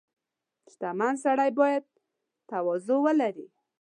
• شتمن سړی باید تواضع ولري.